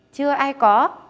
chưa ai có